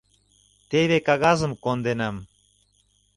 Теве кагазым конденам.